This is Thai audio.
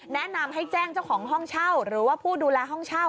แนะนำให้แจ้งเจ้าของห้องเช่าหรือว่าผู้ดูแลห้องเช่า